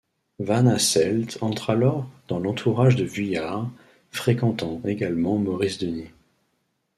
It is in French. Van Hasselt entre alors dans l'entourage de Vuillard, fréquentant également Maurice Denis.